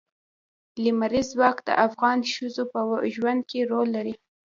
لمریز ځواک د افغان ښځو په ژوند کې رول لري.